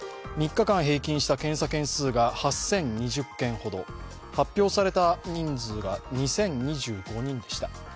３日間検査した数が８０２０件ほど、発表された人数が２０２５人でした。